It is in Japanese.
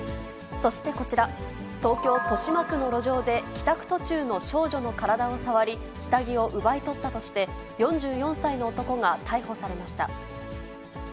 そしてこちら、東京・豊島区の路上で、帰宅途中の少女の体を触り、下着を奪い取ったとして、４４歳の男が逮捕されました。